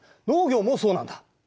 農業もそうなんだ。